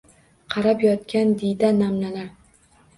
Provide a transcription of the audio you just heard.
Qaqrab yotgan diyda namlanar.